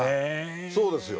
そうですよ。